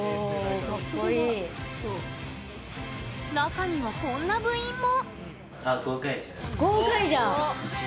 中には、こんな部員も。